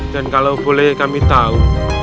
dan kalau boleh kami tahu